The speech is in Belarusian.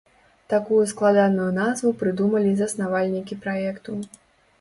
Такую складаную назву прыдумалі заснавальнікі праекту.